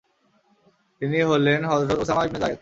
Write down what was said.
তিনি হলেন হযরত উসামা ইবনে যায়েদ।